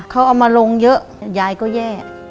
เขาเอามาลงเยอะยายก็แย่